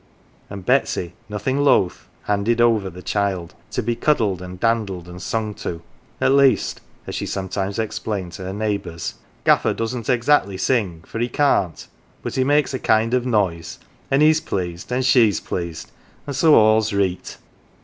And Betsy, nothing loth, " handed over " the child ; to be cuddled and dandled and sung to " at least," as she sometimes explained to her neighbours, " Gaffer doesn't exactly sing, for he can't, but he makes a kind of noise an" 1 he's pleased, an 1 she's pleased an' so all's reet."